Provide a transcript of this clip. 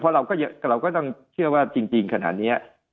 เพราะเราก็ต้องเชื่อว่าจริงขนาดนี้